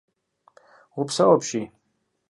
Упсэу апщий.